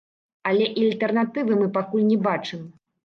Але і альтэрнатывы мы пакуль не бачым.